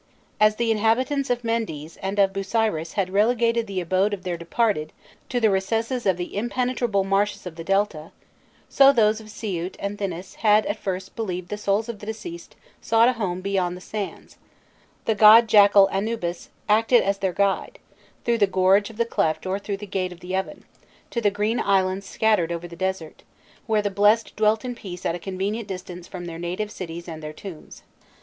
As the inhabitants of Mendes and of Busiris had relegated the abode of their departed to the recesses of the impenetrable marshes of the Delta, so those of Siût and Thinis had at first believed that the souls of the deceased sought a home beyond the sands: the good jackal Anubis acted as their guide, through the gorge of the Cleft or through the gate of the Oven, to the green islands scattered over the desert, where the blessed dwelt in peace at a convenient distance from their native cities and their tombs.